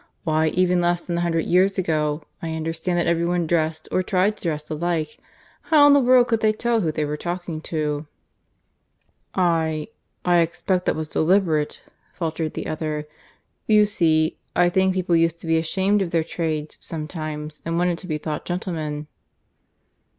Why, even less than a hundred years ago, I understand that every one dressed, or tried to dress alike. How in the world could they tell who they were talking to?" "I ... I expect that was deliberate," faltered the other. "You see, I think people used to be ashamed of their trades sometimes, and wanted to be thought gentlemen."